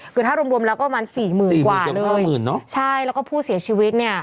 คือถ้ารวมแล้วก็ประมาณ๔๐๐๐๐กว่าเลยใช่แล้วก็ผู้เสียชีวิตเนี่ย